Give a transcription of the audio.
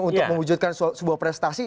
untuk mewujudkan sebuah prestasi